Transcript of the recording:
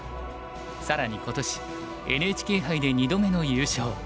更に今年ＮＨＫ杯で２度目の優勝